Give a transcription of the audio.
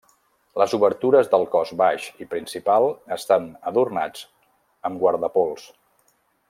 Les obertures del cos baix i principal estan adornats amb guardapols.